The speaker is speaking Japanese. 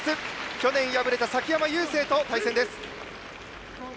去年敗れた崎山優成と対戦です。